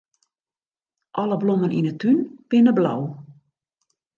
Alle blommen yn 'e tún binne blau.